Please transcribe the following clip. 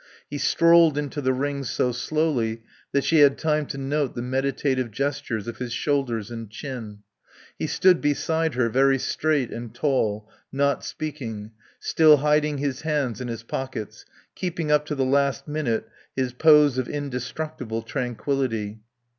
He strolled into the ring so slowly that she had time to note the meditative gestures of his shoulders and chin. He stood beside her, very straight and tall, not speaking, still hiding his hands in his pockets, keeping up to the last minute his pose of indestructible tranquillity.